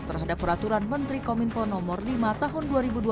terhadap peraturan menteri kominfo nomor lima tahun dua ribu dua puluh